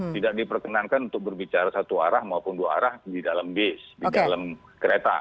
tidak diperkenankan untuk berbicara satu arah maupun dua arah di dalam bis di dalam kereta